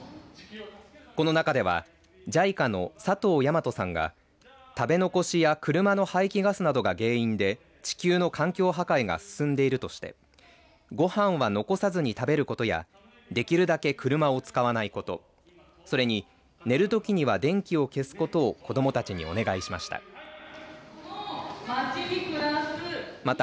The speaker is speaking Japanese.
この中ではＪＩＣＡの佐藤山斗さんが食べ残しや車の排気ガスなどが原因で地球の環境破壊が進んでいるとしてごはんは残さずに食べることやできるだけ車を使わないことそれに、寝るときには電気を消すことを子どもたちにお願いしました。